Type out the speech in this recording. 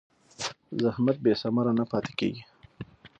زحمت بېثمره نه پاتې کېږي.